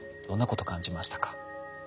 どんなこと感じましたか？